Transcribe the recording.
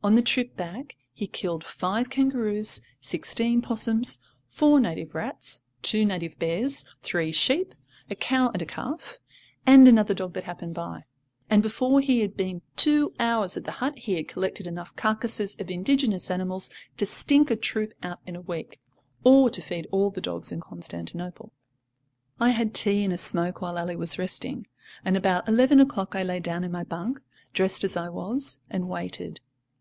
On the trip back he killed five kangaroos, sixteen 'possums, four native rats, two native bears, three sheep, a cow and a calf, and another dog that happened by; and before he had been two hours at the hut he had collected enough carcases of indigenous animals to stink a troop out in a week, or to feed all the dogs in Constantinople. I had tea and a smoke while Ally was resting, and about eleven o'clock I lay down in my bunk, dressed as I was, and waited.